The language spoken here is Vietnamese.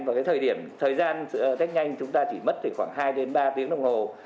và cái thời gian test nhanh chúng ta chỉ mất khoảng hai đến ba tiếng đồng hồ